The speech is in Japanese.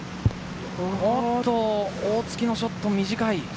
大槻のショット、短い。